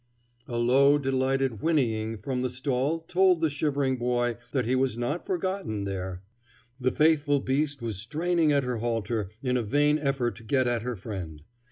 A low, delighted whinnying from the stall told the shivering boy that he was not forgotten there. The faithful beast was straining at her halter in a vain effort to get at her friend.